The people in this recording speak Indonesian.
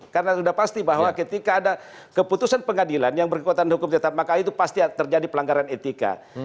karena sudah pasti bahwa ketika ada keputusan pengadilan yang berkekuatan hukum tetap maka itu pasti terjadi pelanggaran etika